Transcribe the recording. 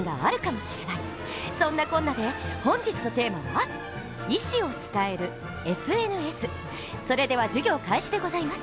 そんなこんなで本日のテーマはそれでは授業開始でございます。